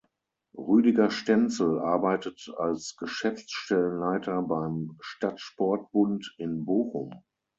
Rüdiger Stenzel arbeitet als Geschäftsstellenleiter beim Stadtsportbund in Bochum.